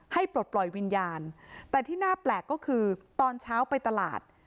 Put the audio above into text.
ปลดปล่อยวิญญาณแต่ที่น่าแปลกก็คือตอนเช้าไปตลาด